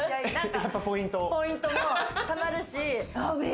ポイントも貯まるし。